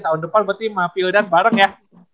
tahun depan berarti maafi udah bareng ya